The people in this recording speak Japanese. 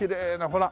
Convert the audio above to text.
ほら！